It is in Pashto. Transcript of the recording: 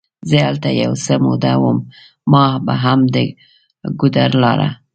زه هلته یو څه موده وم، ما به هم د ګودر لاره.